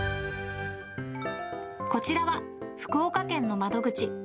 こちらは福岡県の窓口。